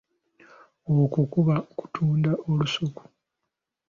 Okwo kuba kutunda olusuku.